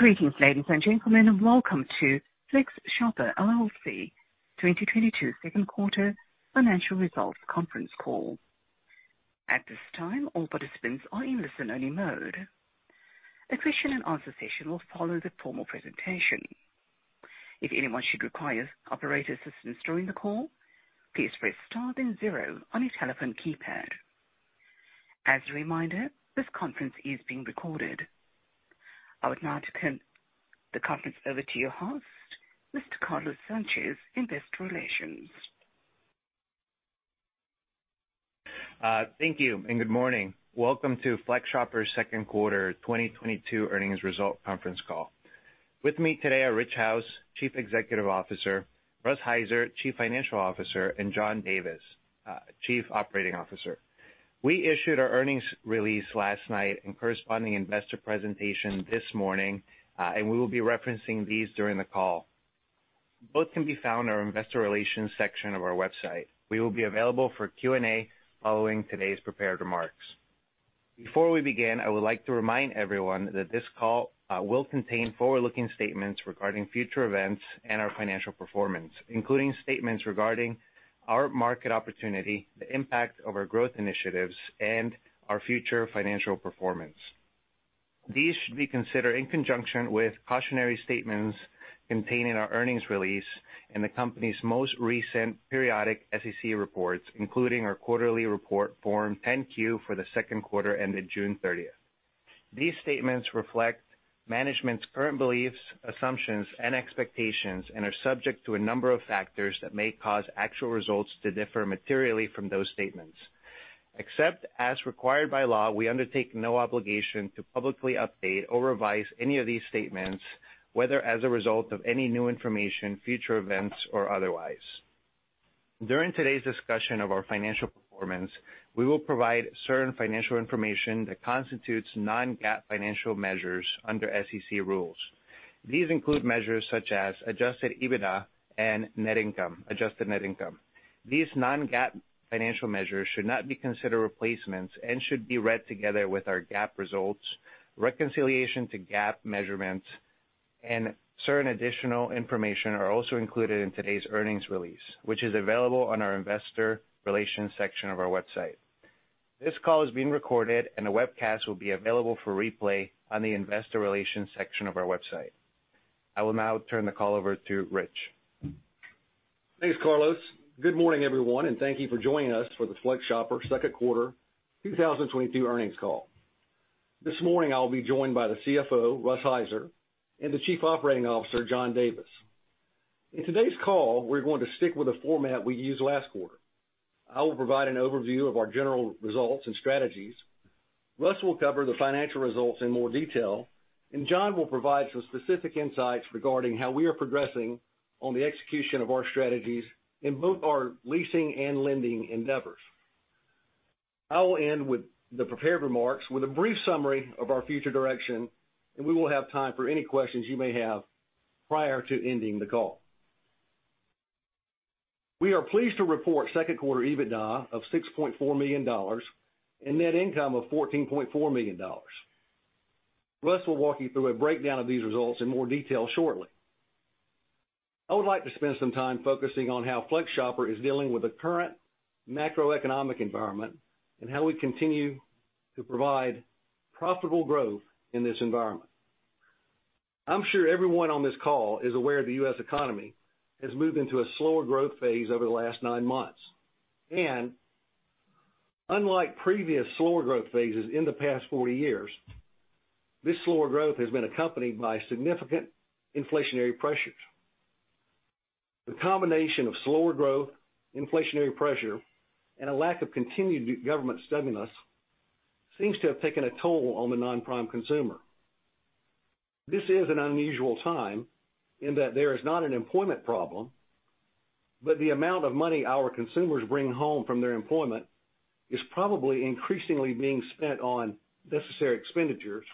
Greetings, ladies and gentlemen. Welcome to FlexShopper, LLC 2022 second quarter financial results conference call. At this time, all participants are in listen-only mode. A question-and-answer session will follow the formal presentation. If anyone should require operator assistance during the call, please press star then zero on your telephone keypad. As a reminder, this conference is being recorded. I would now turn the conference over to your host, Mr. Carlos Sanchez, Investor Relations. Thank you and good morning. Welcome to FlexShopper second quarter 2022 earnings result conference call. With me today are Rich House, Chief Executive Officer, Russ Heiser, Chief Financial Officer, and John Davis, Chief Operating Officer. We issued our earnings release last night and corresponding investor presentation this morning, and we will be referencing these during the call. Both can be found on our Investor Relations section of our website. We will be available for Q&A following today's prepared remarks. Before we begin, I would like to remind everyone that this call will contain forward-looking statements regarding future events and our financial performance, including statements regarding our market opportunity, the impact of our growth initiatives, and our future financial performance. These should be considered in conjunction with cautionary statements contained in our earnings release in the company's most recent periodic SEC reports, including our quarterly report Form 10-Q for the second quarter ended June 30th. These statements reflect management's current beliefs, assumptions, and expectations and are subject to a number of factors that may cause actual results to differ materially from those statements. Except as required by law, we undertake no obligation to publicly update or revise any of these statements, whether as a result of any new information, future events, or otherwise. During today's discussion of our financial performance, we will provide certain financial information that constitutes non-GAAP financial measures under SEC rules. These include measures such as Adjusted EBITDA and net income, adjusted net income. These non-GAAP financial measures should not be considered replacements and should be read together with our GAAP results. Reconciliation to GAAP measurements and certain additional information are also included in today's earnings release, which is available on our Investor Relations section of our website. This call is being recorded, and a webcast will be available for replay on the investor relations section of our website. I will now turn the call over to Rich House. Thanks, Carlos. Good morning, everyone, and thank you for joining us for the FlexShopper second quarter 2022 earnings call. This morning, I'll be joined by the CFO, Russ Heiser, and the Chief Operating Officer, John Davis. In today's call, we're going to stick with the format we used last quarter. I will provide an overview of our general results and strategies. Russ will cover the financial results in more detail, and John will provide some specific insights regarding how we are progressing on the execution of our strategies in both our leasing and lending endeavors. I will end with the prepared remarks with a brief summary of our future direction, and we will have time for any questions you may have prior to ending the call. We are pleased to report second quarter EBITDA of $6.4 million and net income of $14.4 million. Russ will walk you through a breakdown of these results in more detail shortly. I would like to spend some time focusing on how FlexShopper is dealing with the current macroeconomic environment and how we continue to provide profitable growth in this environment. I'm sure everyone on this call is aware the U.S. economy has moved into a slower growth phase over the last 9 months, and unlike previous slower growth phases in the past 40 years, this slower growth has been accompanied by significant inflationary pressures. The combination of slower growth, inflationary pressure, and a lack of continued government stimulus seems to have taken a toll on the non-prime consumer. This is an unusual time in that there is not an employment problem, but the amount of money our consumers bring home from their employment is probably increasingly being spent on necessary expenditures,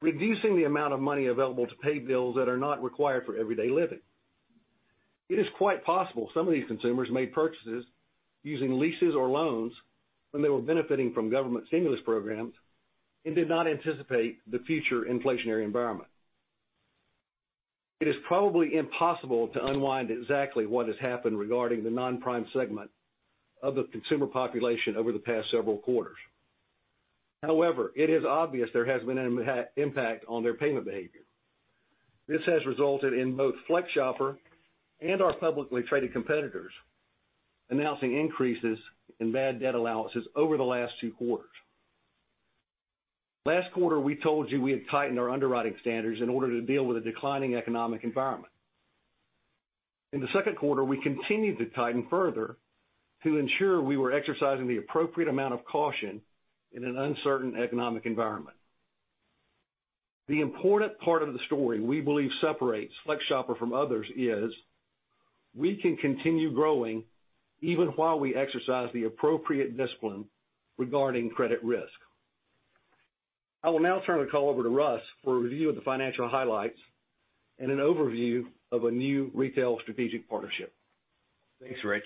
reducing the amount of money available to pay bills that are not required for everyday living. It is quite possible some of these consumers made purchases using leases or loans when they were benefiting from government stimulus programs and did not anticipate the future inflationary environment. It is probably impossible to unwind exactly what has happened regarding the non-prime segment of the consumer population over the past several quarters. However, it is obvious there has been an impact on their payment behavior. This has resulted in both FlexShopper and our publicly traded competitors announcing increases in bad debt allowances over the last two quarters. Last quarter, we told you we had tightened our underwriting standards in order to deal with a declining economic environment. In the second quarter, we continued to tighten further to ensure we were exercising the appropriate amount of caution in an uncertain economic environment. The important part of the story we believe separates FlexShopper from others is we can continue growing even while we exercise the appropriate discipline regarding credit risk. I will now turn the call over to Russ for a review of the financial highlights and an overview of a new retail strategic partnership. Thanks, Rich.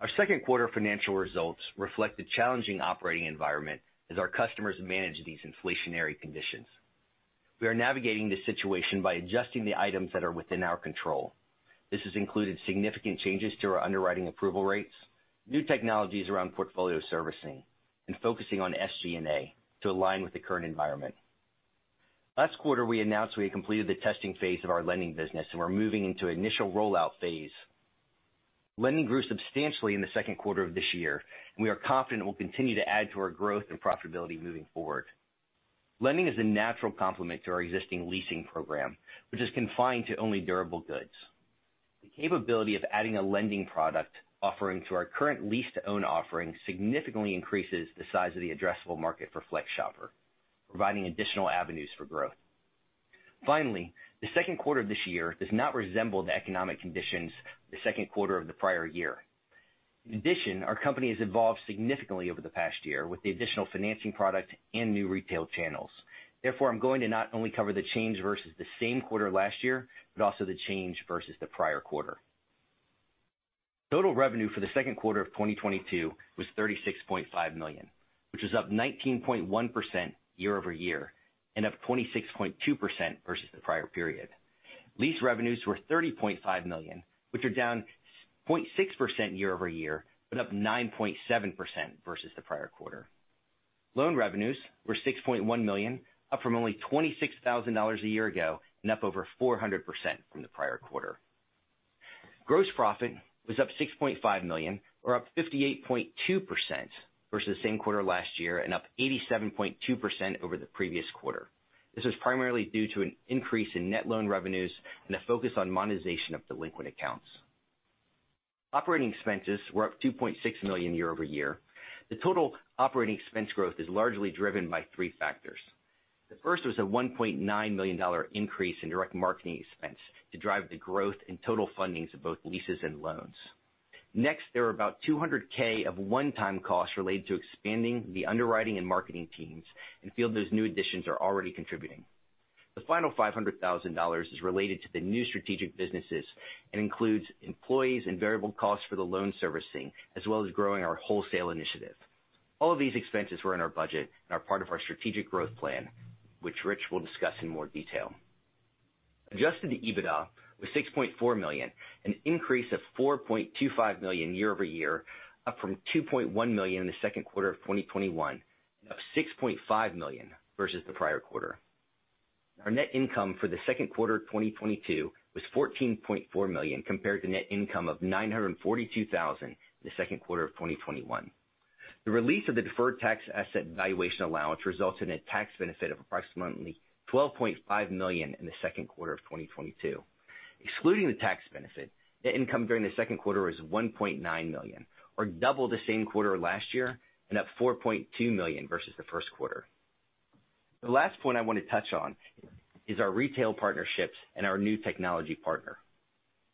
Our second quarter financial results reflect the challenging operating environment as our customers manage these inflationary conditions. We are navigating this situation by adjusting the items that are within our control. This has included significant changes to our underwriting approval rates, new technologies around portfolio servicing, and focusing on SG&A to align with the current environment. Last quarter, we announced we had completed the testing phase of our lending business, and we're moving into initial rollout phase. Lending grew substantially in the second quarter of this year, and we are confident it will continue to add to our growth and profitability moving forward. Lending is a natural complement to our existing leasing program, which is confined to only durable goods. The capability of adding a lending product offering to our current lease-to-own offering significantly increases the size of the addressable market for FlexShopper, providing additional avenues for growth. Finally, the second quarter of this year does not resemble the economic conditions the second quarter of the prior year. In addition, our company has evolved significantly over the past year with the additional financing product and new retail channels. Therefore, I'm going to not only cover the change versus the same quarter last year, but also the change versus the prior quarter. Total revenue for the second quarter of 2022 was $36.5 million, which was up 19.1% year-over-year and up 26.2% versus the prior period. Lease revenues were $30.5 million, which are down 0.6% year-over-year, but up 9.7% versus the prior quarter. Loan revenues were $6.1 million, up from only $26,000 a year ago and up over 400% from the prior quarter. Gross profit was up $6.5 million or up 58.2% versus the same quarter last year and up 87.2% over the previous quarter. This was primarily due to an increase in net loan revenues and a focus on monetization of delinquent accounts. Operating expenses were up $2.6 million year-over-year. The total operating expense growth is largely driven by three factors. The first was a $1.9 million increase in direct marketing expense to drive the growth in total fundings of both leases and loans. Next, there were about $200,000 of one-time costs related to expanding the underwriting and marketing teams and we feel those new additions are already contributing. The final $500,000 is related to the new strategic businesses and includes employees and variable costs for the loan servicing, as well as growing our wholesale initiative. All of these expenses were in our budget and are part of our strategic growth plan, which Rich will discuss in more detail. Adjusted EBITDA was $6.4 million, an increase of $4.25 million year-over-year, up from $2.1 million in the second quarter of 2021, and up $6.5 million versus the prior quarter. Our net income for the second quarter of 2022 was $14.4 million compared to net income of $942,000 in the second quarter of 2021. The release of the deferred tax asset valuation allowance results in a tax benefit of approximately $12.5 million in the second quarter of 2022. Excluding the tax benefit, net income during the second quarter was $1.9 million, or double the same quarter last year, and up $4.2 million versus the first quarter. The last point I want to touch on is our retail partnerships and our new technology partner.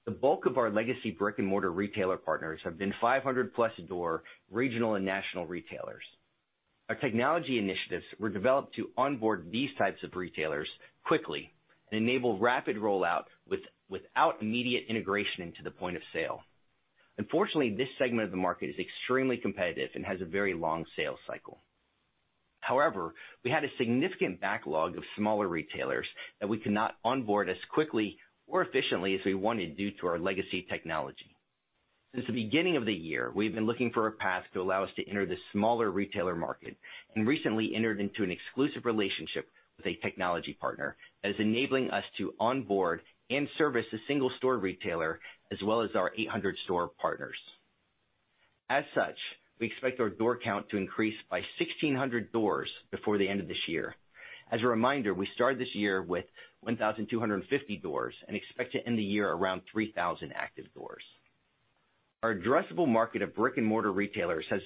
The bulk of our legacy brick-and-mortar retailer partners have been 500+ door regional and national retailers. Our technology initiatives were developed to onboard these types of retailers quickly and enable rapid rollout without immediate integration into the point of sale. Unfortunately, this segment of the market is extremely competitive and has a very long sales cycle. However, we had a significant backlog of smaller retailers that we cannot onboard as quickly or efficiently as we wanted due to our legacy technology. Since the beginning of the year, we've been looking for a path to allow us to enter the smaller retailer market and recently entered into an exclusive relationship with a technology partner that is enabling us to onboard and service a single store retailer as well as our 800 store partners. As such, we expect our door count to increase by 1,600 doors before the end of this year. As a reminder, we started this year with 1,250 doors and expect to end the year around 3,000 active doors. Our addressable market of brick-and-mortar retailers has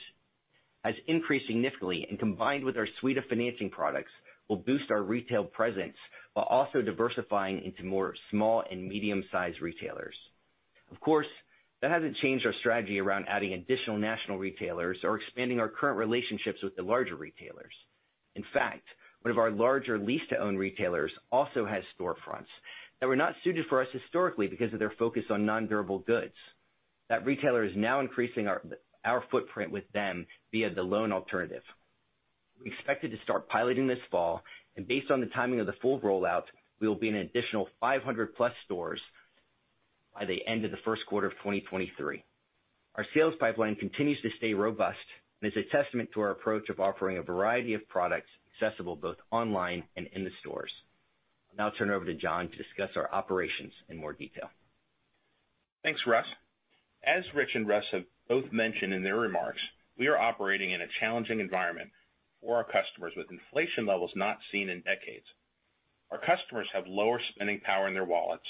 increased significantly, and combined with our suite of financing products, will boost our retail presence while also diversifying into more small and medium-sized retailers. Of course, that hasn't changed our strategy around adding additional national retailers or expanding our current relationships with the larger retailers. In fact, one of our larger lease-to-own retailers also has storefronts that were not suited for us historically because of their focus on non-durable goods. That retailer is now increasing our footprint with them via the loan alternative. We expect it to start piloting this fall, and based on the timing of the full rollout, we will be in an additional 500+ stores by the end of the first quarter of 2023. Our sales pipeline continues to stay robust and is a testament to our approach of offering a variety of products accessible both online and in the stores. I'll now turn it over to John to discuss our operations in more detail. Thanks, Russ. As Rich and Russ have both mentioned in their remarks, we are operating in a challenging environment for our customers with inflation levels not seen in decades. Our customers have lower spending power in their wallets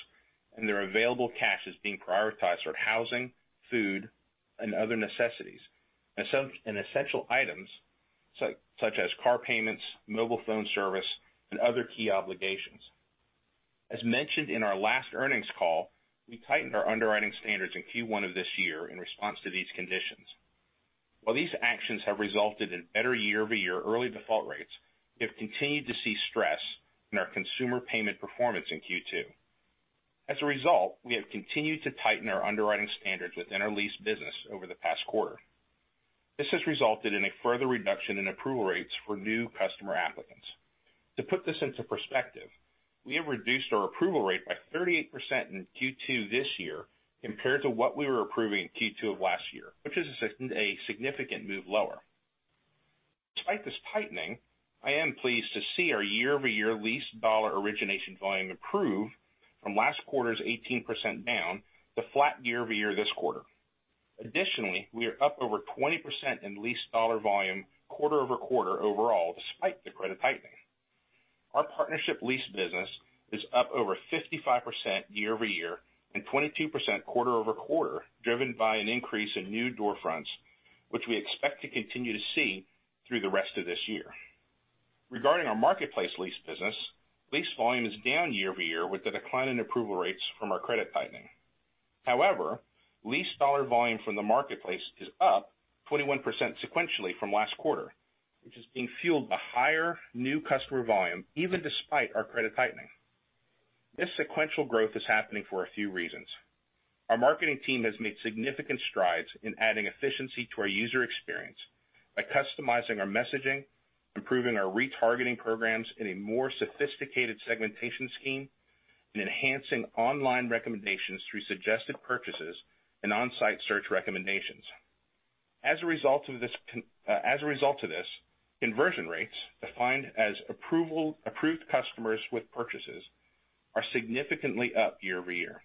and their available cash is being prioritized for housing, food, and other necessities, essential items such as car payments, mobile phone service, and other key obligations. As mentioned in our last earnings call, we tightened our underwriting standards in Q1 of this year in response to these conditions. While these actions have resulted in better year-over-year early default rates, we have continued to see stress in our consumer payment performance in Q2. As a result, we have continued to tighten our underwriting standards within our lease business over the past quarter. This has resulted in a further reduction in approval rates for new customer applicants. To put this into perspective, we have reduced our approval rate by 38% in Q2 this year compared to what we were approving in Q2 of last year, which is a significant move lower. Despite this tightening, I am pleased to see our year-over-year lease dollar origination volume improve from last quarter's 18% down to flat year-over-year this quarter. Additionally, we are up over 20% in lease dollar volume quarter-over-quarter overall despite the credit tightening. Our partnership lease business is up over 55% year-over-year and 22% quarter-over-quarter, driven by an increase in new door fronts, which we expect to continue to see through the rest of this year. Regarding our marketplace lease business, lease volume is down year over year with the decline in approval rates from our credit tightening. However, lease dollar volume from the marketplace is up 21% sequentially from last quarter, which is being fueled by higher new customer volume even despite our credit tightening. This sequential growth is happening for a few reasons. Our marketing team has made significant strides in adding efficiency to our user experience by customizing our messaging, improving our retargeting programs in a more sophisticated segmentation scheme, and enhancing online recommendations through suggested purchases and on-site search recommendations. As a result of this, conversion rates, defined as approved customers with purchases, are significantly up year-over-year.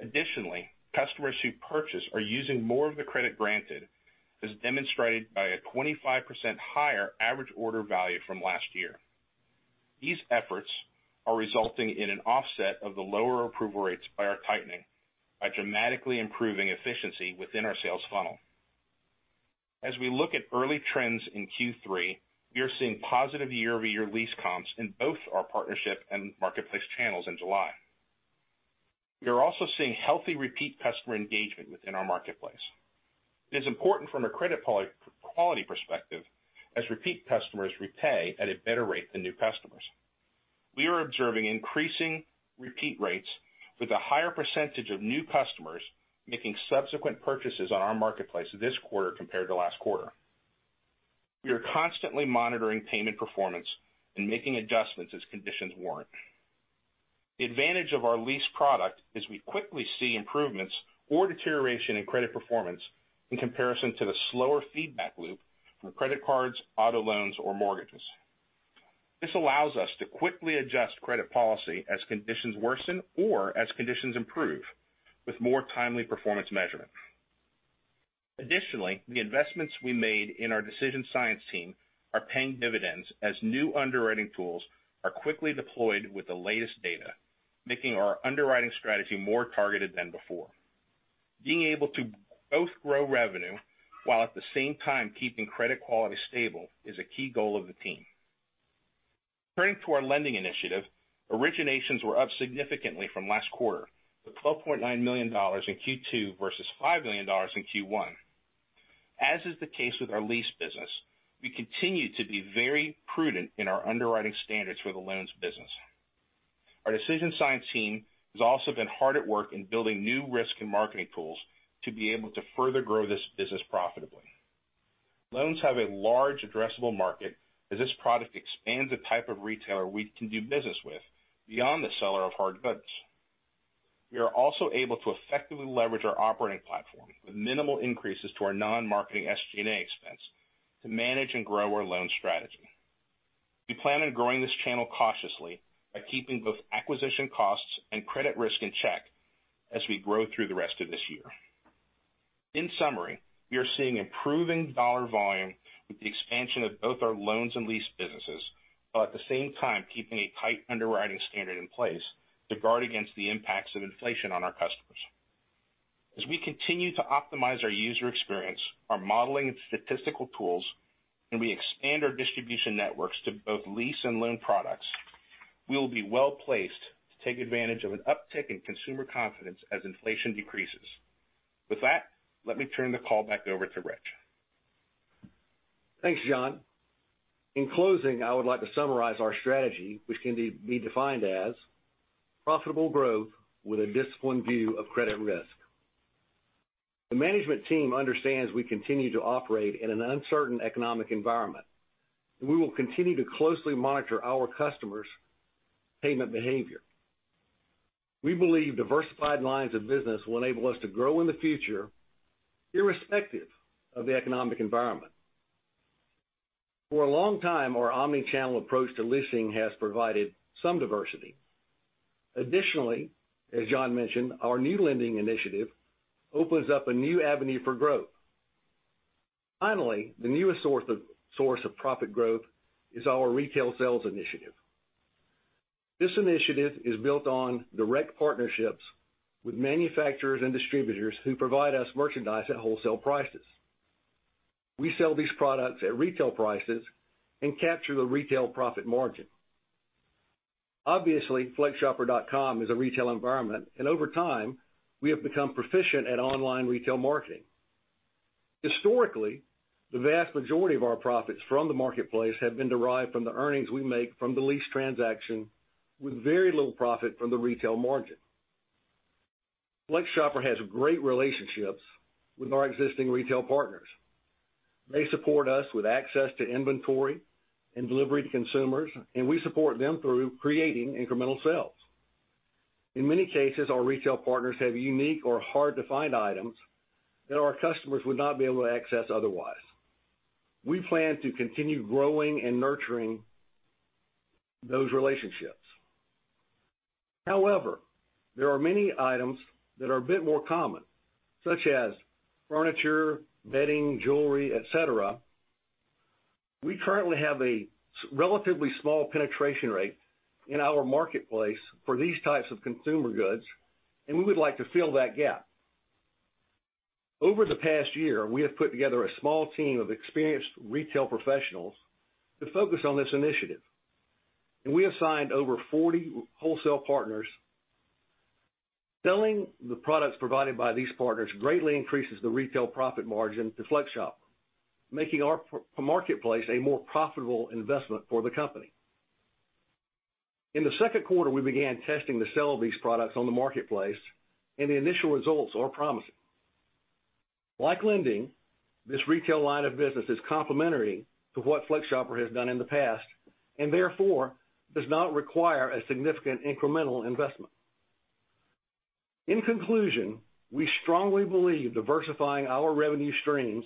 Additionally, customers who purchase are using more of the credit granted, as demonstrated by a 25% higher average order value from last year. These efforts are resulting in an offset of the lower approval rates by our tightening, by dramatically improving efficiency within our sales funnel. As we look at early trends in Q3, we are seeing positive year-over-year lease comps in both our partnership and marketplace channels in July. We are also seeing healthy repeat customer engagement within our marketplace. It is important from a credit quality perspective, as repeat customers repay at a better rate than new customers. We are observing increasing repeat rates with a higher percentage of new customers making subsequent purchases on our marketplace this quarter compared to last quarter. We are constantly monitoring payment performance and making adjustments as conditions warrant. The advantage of our lease product is we quickly see improvements or deterioration in credit performance in comparison to the slower feedback loop from credit cards, auto loans, or mortgages. This allows us to quickly adjust credit policy as conditions worsen or as conditions improve with more timely performance measurement. Additionally, the investments we made in our decision science team are paying dividends as new underwriting tools are quickly deployed with the latest data, making our underwriting strategy more targeted than before. Being able to both grow revenue while at the same time keeping credit quality stable is a key goal of the team. Turning to our lending initiative, originations were up significantly from last quarter, to $12.9 million in Q2 versus $5 million in Q1. As is the case with our lease business, we continue to be very prudent in our underwriting standards for the loans business. Our decision science team has also been hard at work in building new risk and marketing tools to be able to further grow this business profitably. Loans have a large addressable market as this product expands the type of retailer we can do business with beyond the seller of hard goods. We are also able to effectively leverage our operating platform with minimal increases to our non-marketing SG&A expense to manage and grow our loan strategy. We plan on growing this channel cautiously by keeping both acquisition costs and credit risk in check as we grow through the rest of this year. In summary, we are seeing improving dollar volume with the expansion of both our loans and lease businesses, while at the same time keeping a tight underwriting standard in place to guard against the impacts of inflation on our customers. As we continue to optimize our user experience, our modeling and statistical tools, and we expand our distribution networks to both lease and loan products, we will be well-placed to take advantage of an uptick in consumer confidence as inflation decreases. With that, let me turn the call back over to Rich. Thanks, John. In closing, I would like to summarize our strategy, which can be defined as profitable growth with a disciplined view of credit risk. The management team understands we continue to operate in an uncertain economic environment, and we will continue to closely monitor our customers' payment behavior. We believe diversified lines of business will enable us to grow in the future, irrespective of the economic environment. For a long time, our omnichannel approach to leasing has provided some diversity. Additionally, as John mentioned, our new lending initiative opens up a new avenue for growth. Finally, the newest source of profit growth is our retail sales initiative. This initiative is built on direct partnerships with manufacturers and distributors who provide us merchandise at wholesale prices. We sell these products at retail prices and capture the retail profit margin. Obviously, flexshopper.com is a retail environment, and over time, we have become proficient at online retail marketing. Historically, the vast majority of our profits from the marketplace have been derived from the earnings we make from the lease transaction with very little profit from the retail margin. FlexShopper has great relationships with our existing retail partners. They support us with access to inventory and delivery to consumers, and we support them through creating incremental sales. In many cases, our retail partners have unique or hard-to-find items that our customers would not be able to access otherwise. We plan to continue growing and nurturing those relationships. However, there are many items that are a bit more common, such as furniture, bedding, jewelry, et cetera. We currently have a relatively small penetration rate in our marketplace for these types of consumer goods and we would like to fill that gap. Over the past year, we have put together a small team of experienced retail professionals to focus on this initiative, and we have signed over 40 wholesale partners. Selling the products provided by these partners greatly increases the retail profit margin to FlexShopper, making our marketplace a more profitable investment for the company. In the second quarter, we began testing the sale of these products on the marketplace, and the initial results are promising. Like lending, this retail line of business is complementary to what FlexShopper has done in the past and therefore does not require a significant incremental investment. In conclusion, we strongly believe diversifying our revenue streams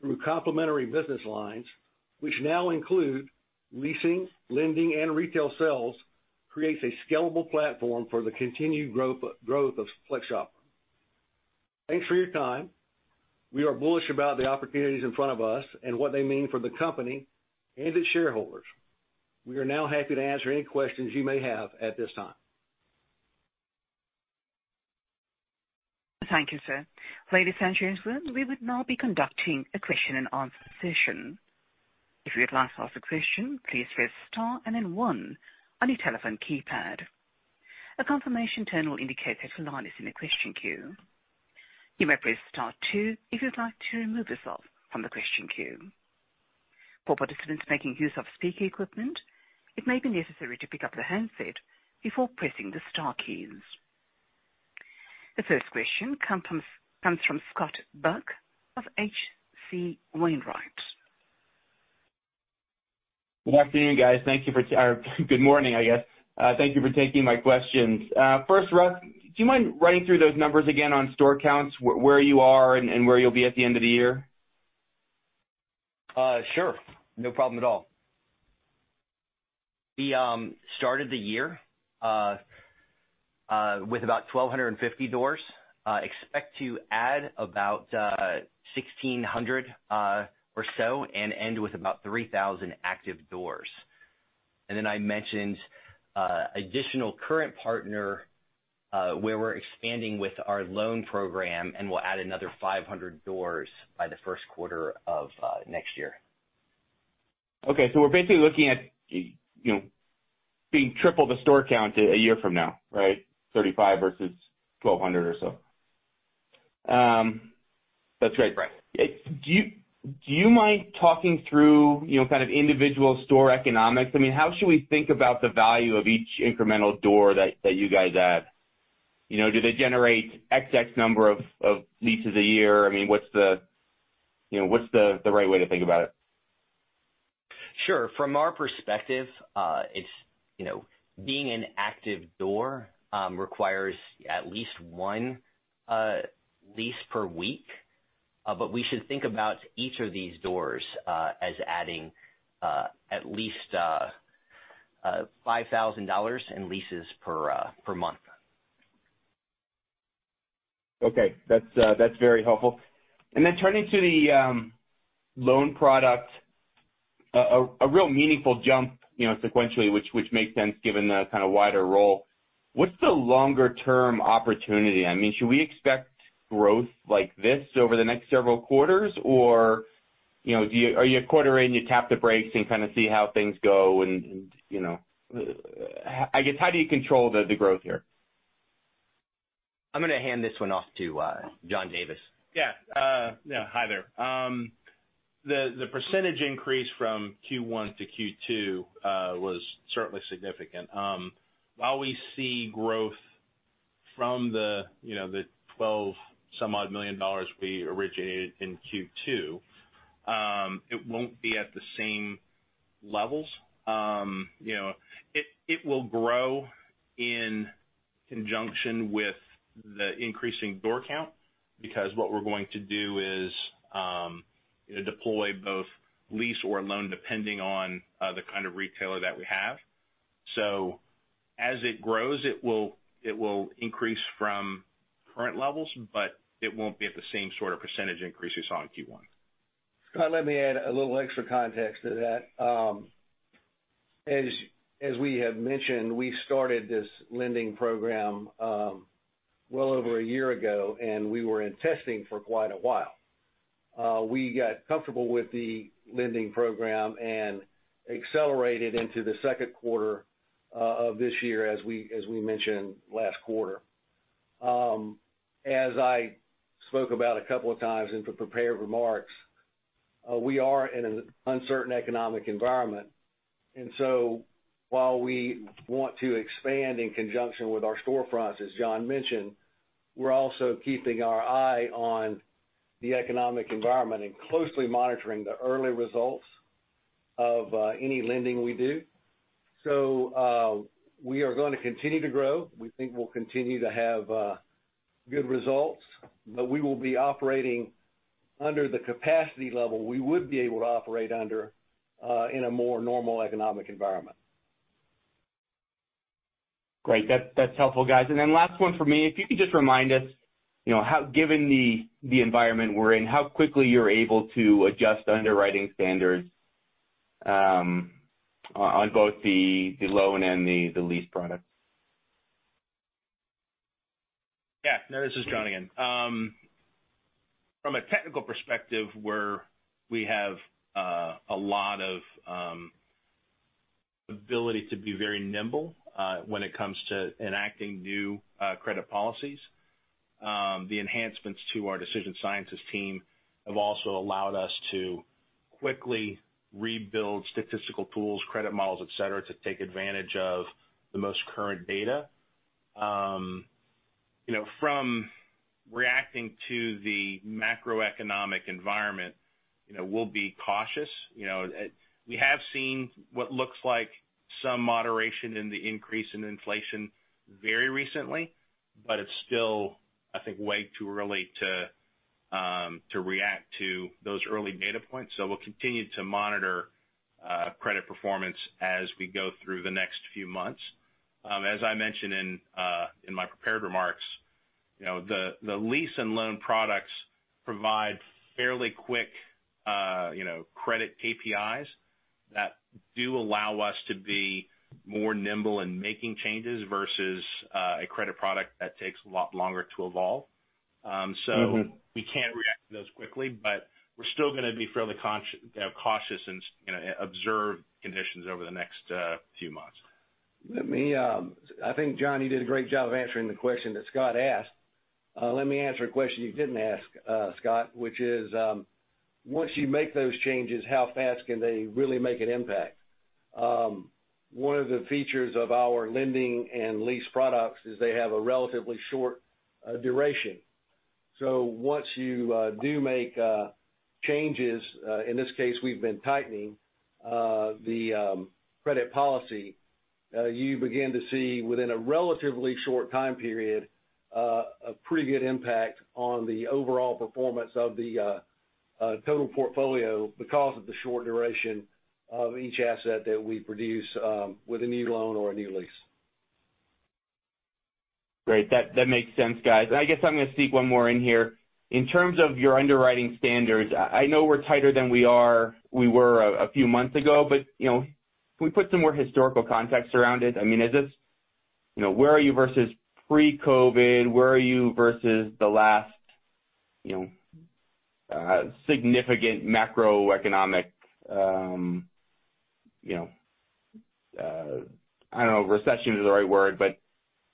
through complementary business lines, which now include leasing, lending, and retail sales, creates a scalable platform for the continued growth of FlexShopper. Thanks for your time. We are bullish about the opportunities in front of us and what they mean for the company and its shareholders. We are now happy to answer any questions you may have at this time. Thank you, sir. Ladies and gentlemen, we would now be conducting a question-and-answer session. If you would like to ask a question, please press star and then one on your telephone keypad. A confirmation tone will indicate if your line is in the question queue. You may press star two if you'd like to remove yourself from the question queue. For participants making use of speaker equipment, it may be necessary to pick up the handset before pressing the star keys. The first question comes from Scott Buck of H.C. Wainwright. Good afternoon, guys. Thank you for, or good morning, I guess. Thank you for taking my questions. First, Russ, do you mind running through those numbers again on store counts, where you are and where you'll be at the end of the year? Sure. No problem at all. We started the year with about 1,250 doors. Expect to add about 1,600 or so and end with about 3,000 active doors. Then I mentioned additional current partner where we're expanding with our loan program, and we'll add another 500 doors by the first quarter of next year. Okay. We're basically looking at, you know, being triple the store count a year from now, right? 3,500 versus 1,200 or so? That's right. Do you mind talking through, you know, kind of individual store economics? I mean, how should we think about the value of each incremental door that you guys add? You know, do they generate some number of leases a year? I mean, what's the right way to think about it? Sure. From our perspective, it's, you know, being an active door requires at least one lease per week. We should think about each of these doors as adding at least $5,000 in leases per month. Okay. That's very helpful. Then turning to the loan product, a real meaningful jump, you know, sequentially, which makes sense given the kind of wider rollout. What's the longer-term opportunity? I mean, should we expect growth like this over the next several quarters? Or, you know, are you a quarter in, you tap the brakes and kind of see how things go and, you know, how, I guess, how do you control the growth here? I'm gonna hand this one off to John Davis. Yeah. Hi, there. The percentage increase from Q1 to Q2 was certainly significant. While we see growth from the, you know, the $12-some-odd million we originated in Q2, it won't be at the same levels. You know, it will grow in conjunction with the increasing door count because what we're going to do is deploy both lease or loan depending on the kind of retailer that we have. As it grows, it will increase from current levels, but it won't be at the same sort of percentage increase you saw in Q1. Scott, let me add a little extra context to that. As we have mentioned, we started this lending program well over a year ago, and we were in testing for quite a while. We got comfortable with the lending program and accelerated into the second quarter of this year, as we mentioned last quarter. As I spoke about a couple of times in the prepared remarks, we are in an uncertain economic environment. While we want to expand in conjunction with our storefronts, as John mentioned, we're also keeping our eye on the economic environment and closely monitoring the early results of any lending we do. We are gonna continue to grow. We think we'll continue to have good results, but we will be operating under the capacity level we would be able to operate under in a more normal economic environment. Great. That's helpful, guys. Last one from me. If you could just remind us, you know, how given the environment we're in, how quickly you're able to adjust underwriting standards on both the loan and the lease product? Yeah. No, this is John again. From a technical perspective, we have a lot of ability to be very nimble when it comes to enacting new credit policies. The enhancements to our decision sciences team have also allowed us to quickly rebuild statistical tools, credit models, et cetera, to take advantage of the most current data. You know, from reacting to the macroeconomic environment, you know, we'll be cautious. You know, we have seen what looks like some moderation in the increase in inflation very recently, but it's still, I think, way too early to react to those early data points. We'll continue to monitor credit performance as we go through the next few months. As I mentioned in my prepared remarks, you know, the lease and loan products provide fairly quick, you know, credit KPIs that do allow us to be more nimble in making changes versus a credit product that takes a lot longer to evolve. Mm-hmm. We can react to those quickly, but we're still gonna be fairly cautious and, you know, observe conditions over the next few months. Let me, I think, John, you did a great job of answering the question that Scott asked. Let me answer a question you didn't ask, Scott, which is, once you make those changes, how fast can they really make an impact? One of the features of our lending and lease products is they have a relatively short duration. Once you do make changes, in this case, we've been tightening the credit policy, you begin to see within a relatively short time period, a pretty good impact on the overall performance of the total portfolio because of the short duration of each asset that we produce, with a new loan or a new lease. Great. That makes sense, guys. I guess I'm gonna sneak one more in here. In terms of your underwriting standards, I know we're tighter than we were a few months ago, but you know, can we put some more historical context around it? I mean, is this. You know, where are you versus pre-COVID? Where are you versus the last significant macroeconomic, you know, I don't know if recession is the right word, but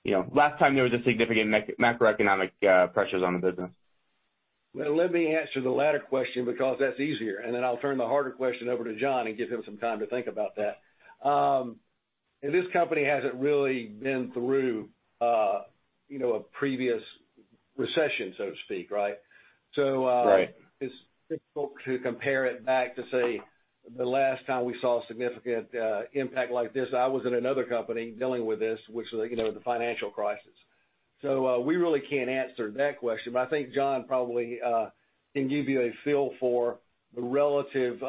you know, last time there was a significant macroeconomic pressures on the business. Well, let me answer the latter question because that's easier, and then I'll turn the harder question over to John and give him some time to think about that. This company hasn't really been through, you know, a previous recession, so to speak, right? Right. It's difficult to compare it back to, say, the last time we saw a significant impact like this. I was in another company dealing with this, which was, you know, the financial crisis. We really can't answer that question, but I think John probably can give you a feel for the relative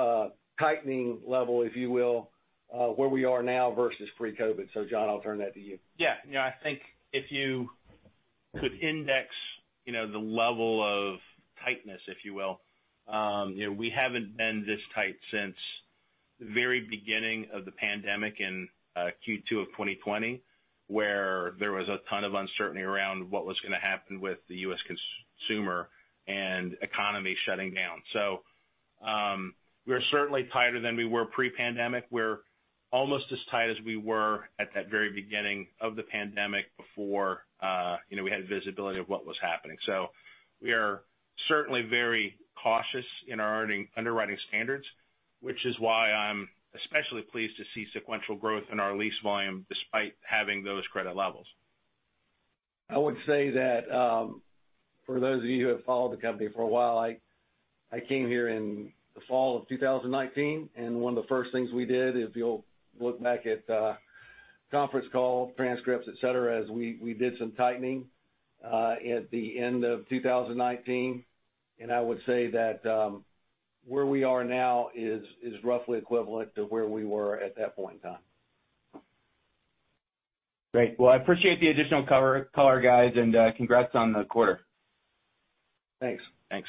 tightening level, if you will, where we are now versus pre-COVID. John, I'll turn that to you. Yeah. You know, I think if you could index, you know, the level of tightness, if you will, you know, we haven't been this tight since the very beginning of the pandemic in Q2 of 2020, where there was a ton of uncertainty around what was gonna happen with the U.S. consumer and economy shutting down. We're certainly tighter than we were pre-pandemic. We're almost as tight as we were at that very beginning of the pandemic before, you know, we had visibility of what was happening. We are certainly very cautious in our underwriting standards, which is why I'm especially pleased to see sequential growth in our lease volume despite having those credit levels. I would say that, for those of you who have followed the company for a while, I came here in the fall of 2019, and one of the first things we did, if you'll look back at, conference call transcripts, et cetera, is we did some tightening, at the end of 2019. I would say that, where we are now is roughly equivalent to where we were at that point in time. Great. Well, I appreciate the additional color, guys, and congrats on the quarter. Thanks. Thanks.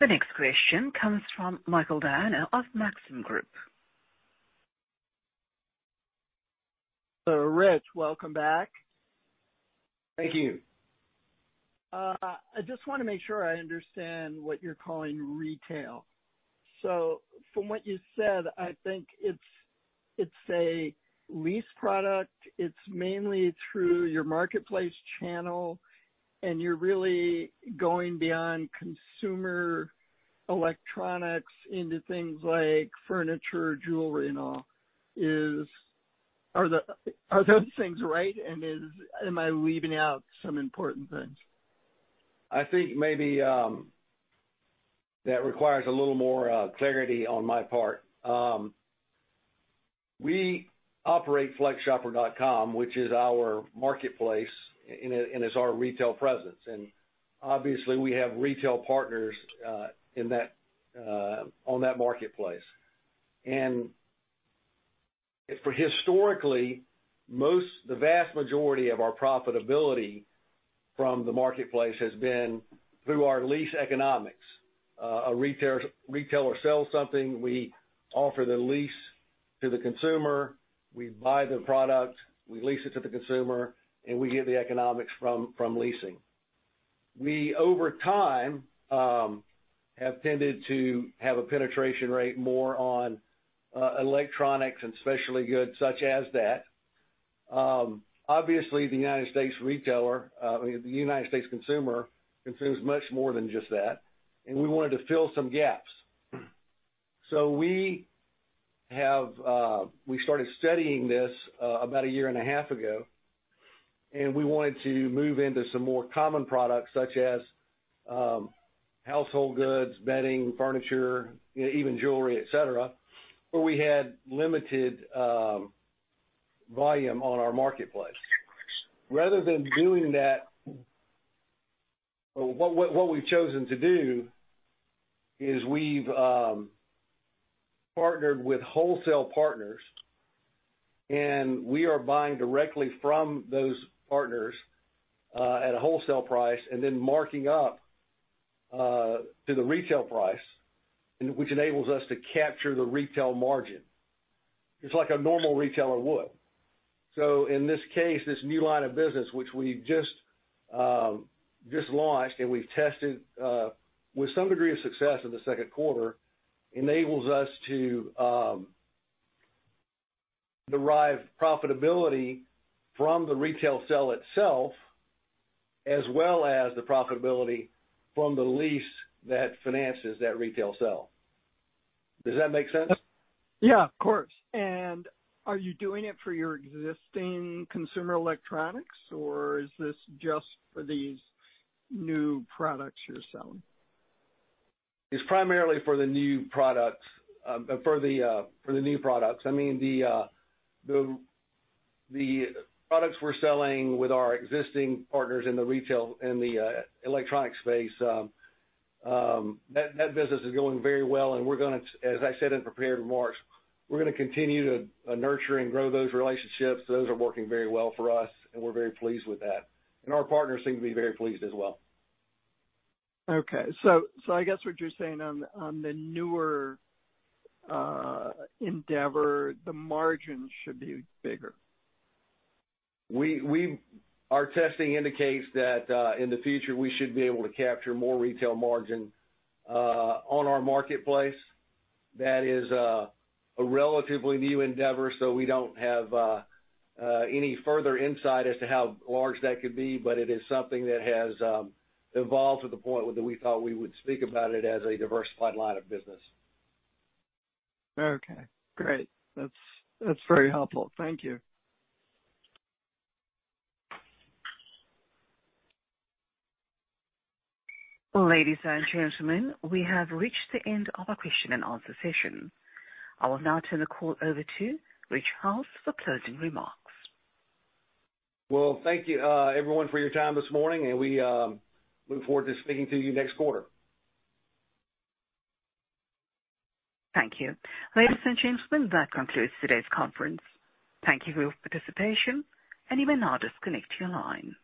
The next question comes from Michael Diana of Maxim Group. Rich, welcome back. Thank you. I just wanna make sure I understand what you're calling retail. From what you said, I think it's a lease product. It's mainly through your marketplace channel, and you're really going beyond consumer electronics into things like furniture, jewelry and all. Are those things right, and am I leaving out some important things? I think maybe, that requires a little more clarity on my part. We operate flexshopper.com, which is our marketplace and it, and it's our retail presence. Obviously we have retail partners, in that, on that marketplace. Historically, the vast majority of our profitability from the marketplace has been through our lease economics. A retailer sells something, we offer the lease to the consumer, we buy the product, we lease it to the consumer, and we get the economics from leasing. We over time, have tended to have a penetration rate more on, electronics and specialty goods such as that. Obviously, the United States retailer, I mean, the United States consumer consumes much more than just that, and we wanted to fill some gaps. We started studying this about a year and a half ago, and we wanted to move into some more common products such as household goods, bedding, furniture, even jewelry, et cetera, where we had limited volume on our marketplace. Rather than doing that, what we've chosen to do is we've partnered with wholesale partners, and we are buying directly from those partners at a wholesale price and then marking up to the retail price, which enables us to capture the retail margin. It's like a normal retailer would. In this case, this new line of business which we just launched and we've tested with some degree of success in the second quarter enables us to derive profitability from the retail sale itself as well as the profitability from the lease that finances that retail sale. Does that make sense? Yeah, of course. Are you doing it for your existing consumer electronics, or is this just for these new products you're selling? It's primarily for the new products. I mean, the products we're selling with our existing partners in the electronic space, that business is going very well and we're gonna, as I said in prepared remarks, we're gonna continue to nurture and grow those relationships. Those are working very well for us and we're very pleased with that. Our partners seem to be very pleased as well. Okay. I guess what you're saying on the newer endeavor, the margin should be bigger? Our testing indicates that in the future, we should be able to capture more retail margin on our marketplace. That is a relatively new endeavor, so we don't have any further insight as to how large that could be, but it is something that has evolved to the point where we thought we would speak about it as a diversified line of business. Okay, great. That's very helpful. Thank you. Ladies and gentlemen, we have reached the end of our question-and-answer session. I will now turn the call over to Rich House for closing remarks. Well, thank you, everyone for your time this morning, and we look forward to speaking to you next quarter. Thank you. Ladies and gentlemen, that concludes today's conference. Thank you for your participation, and you may now disconnect your lines.